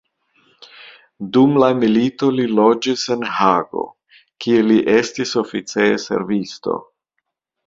Dum la milito li loĝis en Hago, kie li estis oficeja servisto.